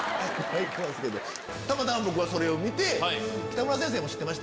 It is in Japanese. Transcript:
たまたま僕はそれを見て。